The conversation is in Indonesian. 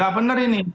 nggak bener ini